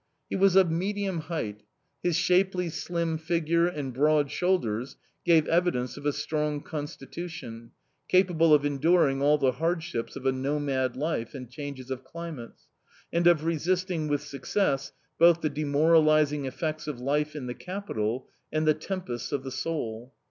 He was of medium height. His shapely, slim figure and broad shoulders gave evidence of a strong constitution, capable of enduring all the hardships of a nomad life and changes of climates, and of resisting with success both the demoralising effects of life in the Capital and the tempests of the soul.